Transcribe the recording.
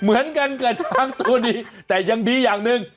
เหมือนกันกับช้างตัวนี้แต่ยังดีอย่างหนึ่ง